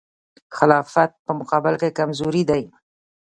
خلافت په مقابل کې کمزوری دی.